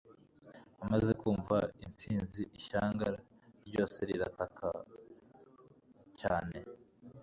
amaze kumva intsinzi, ishyanga ryose rirataka cyane